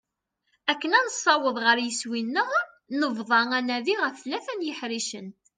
Akken ad nessaweḍ ɣer yiswi-nneɣ nebḍa anadi ɣef tlata yeḥricen.